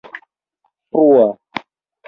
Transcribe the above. frua